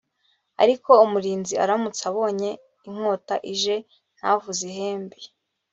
ariko umurinzi aramutse abonye inkota ije ntavuze ihembe